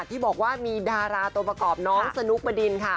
ที่บอกว่ามีดาราตัวประกอบน้องสนุกบดินค่ะ